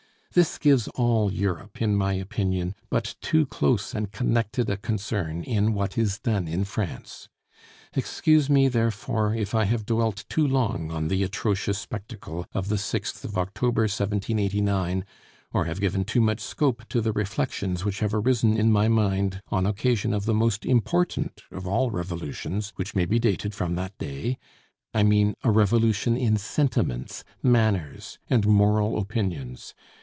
This gives all Europe, in my opinion, but too close and connected a concern in what is done in France. Excuse me therefore if I have dwelt too long on the atrocious spectacle of the 6th of October, 1789, or have given too much scope to the reflections which have arisen in my mind on occasion of the most important of all revolutions, which may be dated from that day, I mean a revolution in sentiments, manners, and moral opinions.